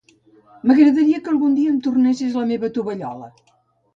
M'agradaria que algun dia em tornessis la meva tovallola.